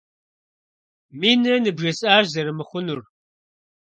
Минрэ ныбжесӏащ зэрымыхъунур!